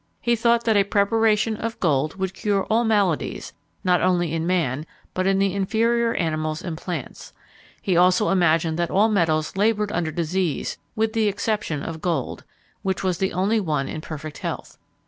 He thought that a preparation of gold would cure all maladies, not only in man, but in the inferior animals and plants. He also imagined that all the metals laboured under disease, with the exception of gold, which was the only one in perfect health.